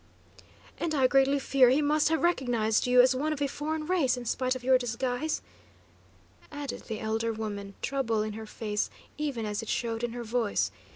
"And I greatly fear he must have recognised you as one of a foreign race, in spite of your disguise," added the elder woman, trouble in her face even as it showed in her voice.